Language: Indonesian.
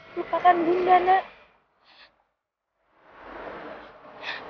lupakan bunda nak